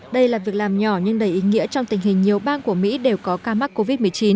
đây là việc làm nhỏ nhưng đầy ý nghĩa trong tình hình nhiều bang của mỹ đều có ca mắc covid một mươi chín